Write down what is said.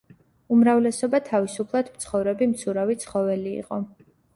უმრავლესობა თავისუფლად მცხოვრები მცურავი ცხოველი იყო.